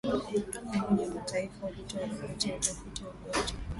umoja wa mataifa ulitoa ripoti ya utafiti wa ugonjwa